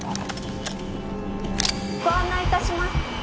「ご案内致します」